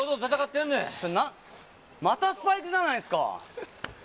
またスパイクじゃないですか。